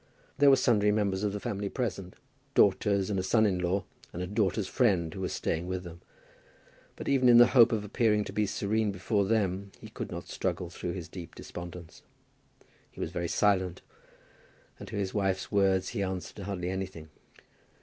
There were sundry members of the family present, daughters, and a son in law, and a daughter's friend who was staying with them; but even in the hope of appearing to be serene before them he could not struggle through his deep despondence. He was very silent, and to his wife's words he answered hardly anything.